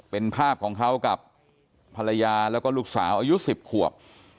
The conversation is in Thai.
เป็นภาพของเขากับภรรยาแล้วก็ลูกสาวอายุ๑๐ขวบ